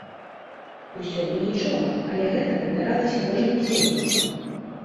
Усё бы нічога, але гэта паўтаралася кожны дзень.